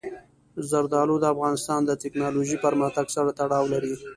زردالو د افغانستان د تکنالوژۍ پرمختګ سره تړاو لري.